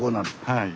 はい。